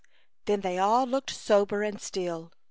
Then they all looked sober and still.